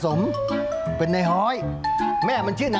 พ่อผมชิบกี่แม่ผมก็ชิบเฉา